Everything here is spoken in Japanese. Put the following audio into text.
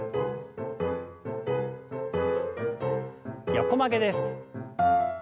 横曲げです。